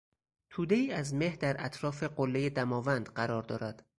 تودهای از مه در اطراف قلهی دماوند قرار دارد.